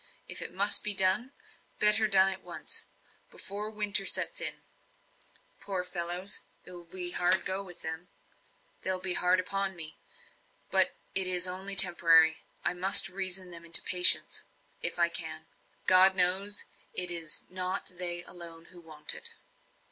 If it must be done better done at once, before winter sets in. Poor fellows! it will go hard with them they'll be hard upon me. But it is only temporary; I must reason them into patience, if I can; God knows, it is not they alone who want it."